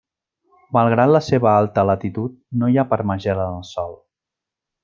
Malgrat la seva alta latitud, no hi ha permagel en el sòl.